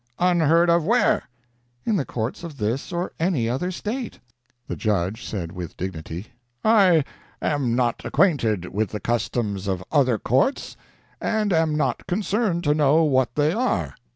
"Unheard of where?" "In the courts of this or any other state." The judge said with dignity: "I am not acquainted with the customs of other courts, and am not concerned to know what they are.